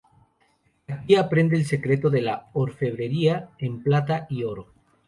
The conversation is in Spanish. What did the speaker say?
Aquí aprende el secreto de la orfebrería en plata y oro.